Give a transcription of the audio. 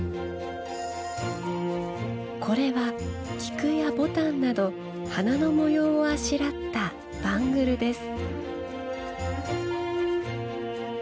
これは菊や牡丹など花の模様をあしらったバングルです。